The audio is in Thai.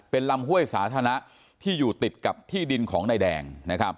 เป็นลำห้วยสาธารณะที่อยู่ติดกับที่ดินของนายแดง